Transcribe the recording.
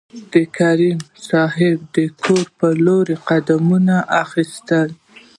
د کریمي صیب د کور په لور قدمونه اخیستل.